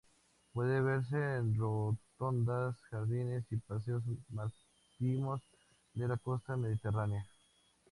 Puede verse en rotondas, jardines y paseos marítimos de la costa mediterránea.